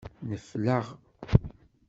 Nefleɣ.